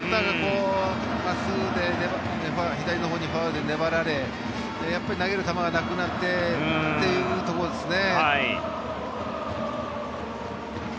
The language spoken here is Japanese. バッターに、真っすぐで左のほうにファウルで粘られ投げる球がなくなってっていうところですね。